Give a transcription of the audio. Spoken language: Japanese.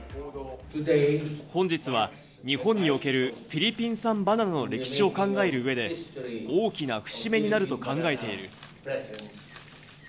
本日は日本におけるフィリピン産バナナの歴史を考えるうえで、大きな節目になると考えている。